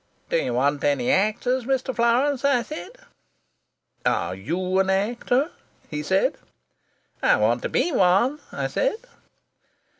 "'Do you want any actors, Mr. Florance?' I said. "'Are you an actor?' he said. "'I want to be one,' I said.